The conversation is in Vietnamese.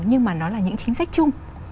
nhưng mà nó là những chính sách chung